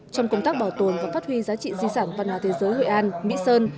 trong công tác bảo tồn và phát huy giá trị di sản văn hóa thế giới hội an mỹ sơn